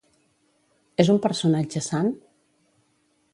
És un personatge sant?